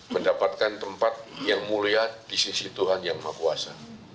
mendapatkan tempat yang mulia di sisi tuhan yang maha kuasa